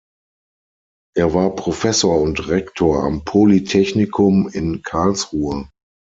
Er war Professor und Rektor am Polytechnikum in Karlsruhe.